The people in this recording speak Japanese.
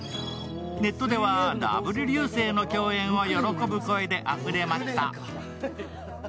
ネットではＷ流星の共演を喜ぶ声であふれました。